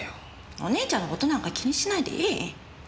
お姉ちゃんの事なんか気にしないでいい。